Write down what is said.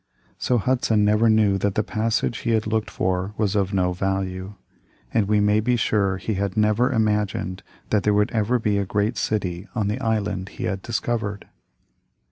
So Hudson never knew that the passage he had looked for was of no value, and we may be sure he had never imagined that there would ever be a great city on the island he had discovered.